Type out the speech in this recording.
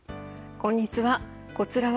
こんにちは。